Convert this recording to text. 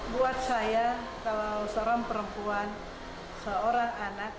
buat saya kalau seorang perempuan seorang anak